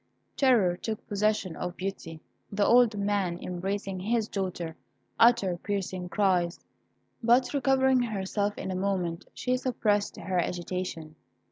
Terror took possession of Beauty. The old man, embracing his daughter, uttered piercing cries. But recovering herself in a moment, she suppressed her agitation.